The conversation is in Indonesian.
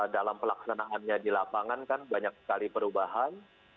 dalam pelaksanaannya di lapangan kan banyak sekali perubahan